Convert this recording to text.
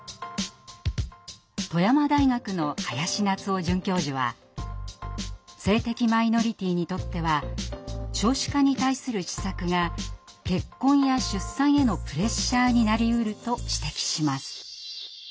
富山大学の林夏生准教授は性的マイノリティにとっては少子化に対する施策が「結婚」や「出産」へのプレッシャーになりうると指摘します。